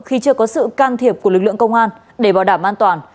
khi chưa có sự can thiệp của lực lượng công an để bảo đảm an toàn